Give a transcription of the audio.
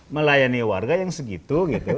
melayani warga yang segitu gitu